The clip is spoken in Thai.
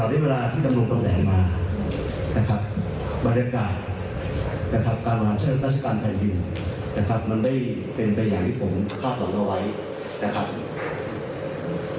พันธ์ยากที่ผมทราบส่งแล้วไว้นะครับ